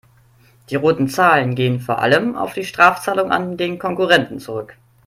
Die roten Zahlen gehen vor allem auf die Strafzahlungen an den Konkurrenten zurück.